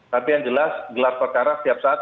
tapi yang jelas gelar perkara setiap saat